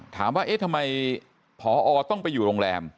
ถามว่าเอ๊ะทำไมผอต้องไปอยู่โรงแรม